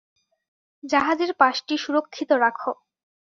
জাহাজের পাশটি সুরক্ষিত রাখো।